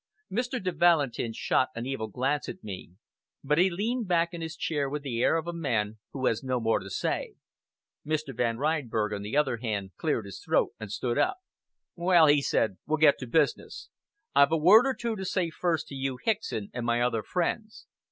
Mr. de Valentin shot an evil glance at me, but he leaned back in his chair with the air of a man who has no more to say. Mr. Van Reinberg, on the other hand, cleared his throat and stood up. "Well," he said, "we'll get to business. I've a word or two to say first to you, Hickson, and my other friends.